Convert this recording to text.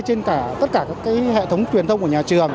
trên tất cả các hệ thống truyền thông của nhà trường